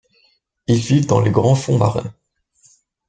Ils vivent dans les grands fonds marins.